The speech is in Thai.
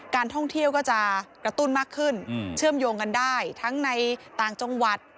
การท่องเที่ยวก็จะกระตุ้นมากขึ้นเชื่อมโยงกันได้ทั้งในต่างจังหวัด